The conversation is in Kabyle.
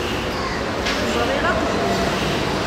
Ẓṛiɣ aqjun.